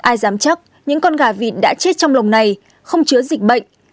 ai dám chắc những con gà vịt đã chết trong lồng này không chứa dịch bệnh